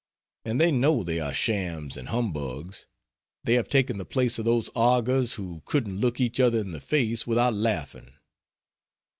And they know they are shams and humbugs. They have taken the place of those augurs who couldn't look each other in the face without laughing.